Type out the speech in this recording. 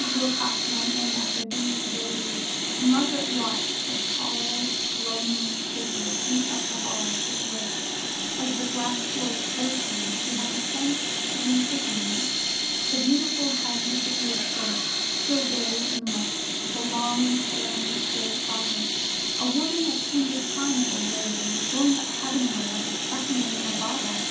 Wilcox went in after due civilities, and Margaret watched the tall, lonely figure sweep up the hall to the lift. As the glass doors closed on it she had the sense of an imprisonment. The beautiful head disappeared first, still buried in the muff, the long trailing skirt followed. A woman of undefinable rarity was going up heaven ward, like a specimen in a bottle.